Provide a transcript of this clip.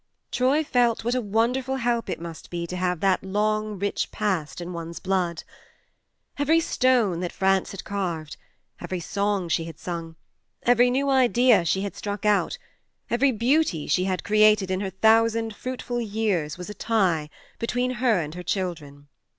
Troy felt what a wonderful help it must be to have that long rich past in one's blood. Every stone that France had carved, every song she had sung, every new idea she had struck out, every beauty she had created in her thousand fruitful years, was a tie between her and her children.